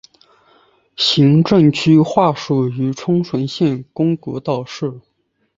行政区划属于冲绳县宫古岛市。